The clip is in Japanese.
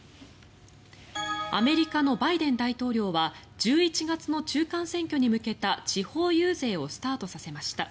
アメリカのバイデン大統領は１１月の中間選挙に向けた地方遊説をスタートさせました。